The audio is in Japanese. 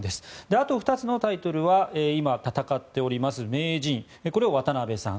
あと２つのタイトルは今、戦っております名人これを渡辺さん